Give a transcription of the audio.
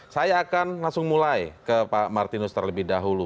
saya akan langsung mulai ke pak martinus terlebih dahulu